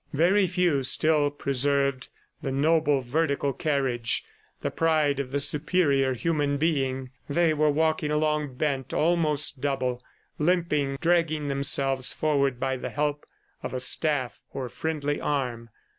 Very few still preserved the noble vertical carriage, the pride of the superior human being. They were walking along bent almost double, limping, dragging themselves forward by the help of a staff or friendly arm.